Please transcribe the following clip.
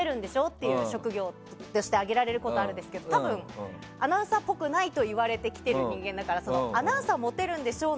っていう職業として挙げられることがあるんですけど多分、アナウンサーっぽくないと言われてきてる人間だから、アナウンサーモテるんでしょ？